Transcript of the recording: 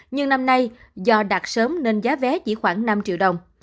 nhưng năm nay do đạt sớm nên giá vé chỉ khoảng năm triệu đồng